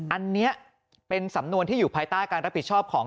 อันนี้เป็นสำนวนที่อยู่ภายใต้การรับผิดชอบของ